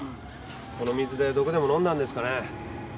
この水で毒でも飲んだんですかね？